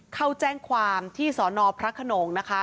เข้าแจ้งความที่สอนอพระขนงนะคะ